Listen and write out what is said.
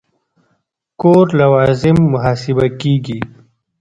کور لوازم محاسبه کېږي.